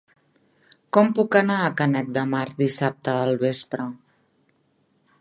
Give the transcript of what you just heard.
Com puc anar a Canet de Mar dissabte al vespre?